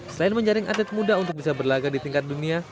selain menjaring atlet muda untuk bisa berlagak di tingkat dunia